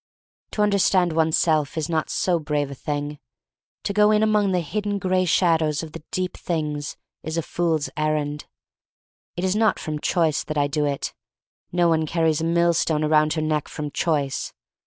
To understand oneself is not so brave a thing. To go in among the hidden gray shadows of the deep things is a fool's errand. It is not from choice that I do it. No one car ries a mill stone around her neck from choice.